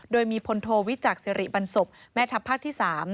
โดยมีพลโทวิจักษ์สิริบันศพแม่ทัพภาคที่๓